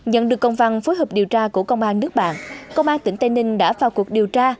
nhận được công văn phối hợp điều tra của công an nước bạn công an tỉnh tây ninh đã vào cuộc điều tra